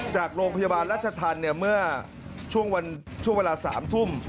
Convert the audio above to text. จากโรงพยาบาลรัชธรรมเมื่อช่วงเวลา๓ทุ่ม